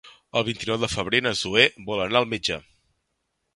El vint-i-nou de febrer na Zoè vol anar al metge.